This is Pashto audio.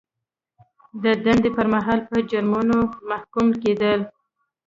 د دندې پر مهال په جرمونو محکوم کیدل.